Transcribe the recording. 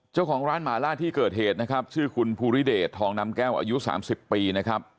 เจ้าของร้านหมาล่าที่เกิดเหตุนะครับชื่อคุณภูริเดชทองนำแก้วอายุ๓๐ปีนะครับ